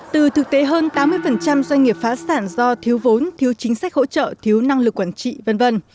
từ thực tế hơn tám mươi doanh nghiệp phá sản do thiếu vốn thiếu chính sách hỗ trợ thiếu năng lực quản trị v v